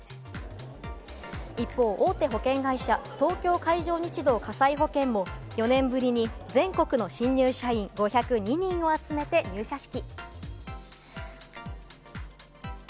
一方、大手保険会社・東京海上日動火災保険も４年ぶりに全国の新入社員５０２人を集めて入社式。